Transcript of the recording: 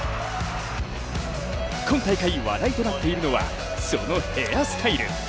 今大会話題となっているのはそのヘアスタイル。